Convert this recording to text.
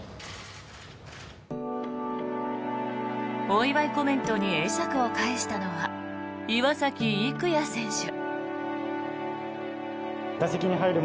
お祝いコメントに会釈を返したのは岩崎生弥選手。